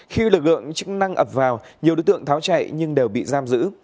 khi lực lượng chức năng ập vào nhiều đối tượng tháo chạy nhưng đều bị giam giữ